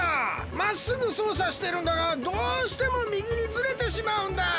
まっすぐそうさしてるんだがどうしてもみぎにずれてしまうんだよ！